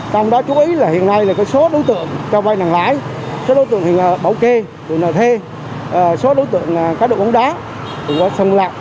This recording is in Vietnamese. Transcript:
các ông đã chú ý là hiện nay là cái số đối tượng cho vai nặng lãi số đối tượng hiện là bảo kê tùy nợ thê số đối tượng khái độ quấn đá